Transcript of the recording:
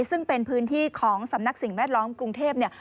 ซึ่งเป็นพื้นที่ของสำนักสิ่งแวดล้อมกรุงเทพเนี่ย